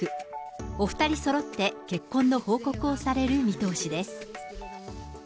お２人そろって結婚の報告をされる見通しです。